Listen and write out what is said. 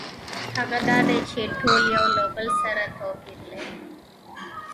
هغه دا دی چې ټول یو د بل سره توپیر لري.